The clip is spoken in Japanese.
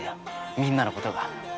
みんなのことが。